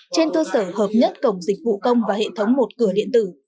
trên cơ sở hợp nhất cổng dịch vụ công và hệ thống một cửa điện tử